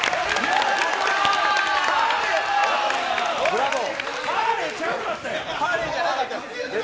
ブラボー。